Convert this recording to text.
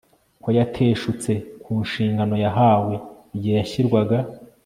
ko yateshutse ku nshingano yahawe igihe yashyirwaga